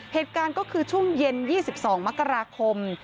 เหตุการณ์ก็คือช่วงเย็น๒๒มกราคม